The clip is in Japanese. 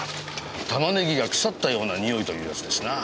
玉ねぎが腐ったようなにおいというやつですな。